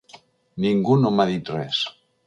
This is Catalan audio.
Ningú no m’ha dit res.